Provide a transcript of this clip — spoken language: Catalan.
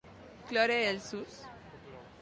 Cloure els ulls.